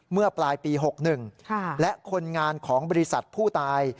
เมื่อปลายปี๖๑และคนงานของบริษัทผู้ตาย